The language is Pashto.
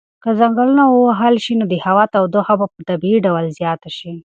که ځنګلونه ووهل شي نو د هوا تودوخه به په طبیعي ډول زیاته شي.